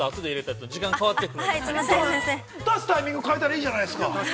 ◆出すタイミングを変えたらいいじゃないですか。